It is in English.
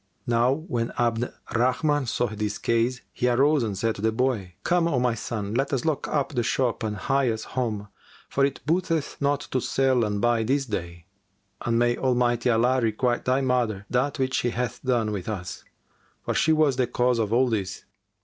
Now when Abd al Rahman saw this case, he arose and said to the boy, "Come, O my son, let us lock up the shop and hie us home, for it booteth not to sell and buy this day; and may Almighty Allah requite thy mother that which she hath done with us, for she was the cause of all this!"